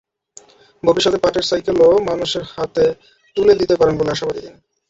ভবিষ্যতে পাটের সাইকেলও মানুষের হাতে তুলে দিতে পারবেন বলে আশাবাদী তিনি।